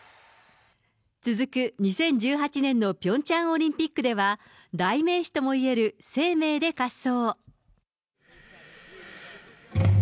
続く２０１８年のピョンチャンオリンピックでは、代名詞ともいえるＳＥＩＭＥＩで滑走。